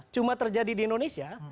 cuma terjadi di indonesia